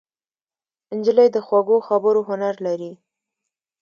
نجلۍ د خوږو خبرو هنر لري.